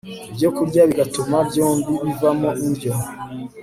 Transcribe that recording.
ibyokurya bigatuma byombi bivamo indyo